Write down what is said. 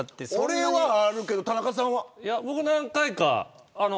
俺はあるけど田中さんは。